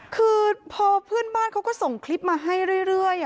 คือพอเพื่อนบ้านเขาก็ส่งคลิปมาให้เรื่อย